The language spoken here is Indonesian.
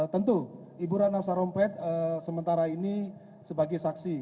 tentu ibu rana sarompet sementara ini sebagai saksi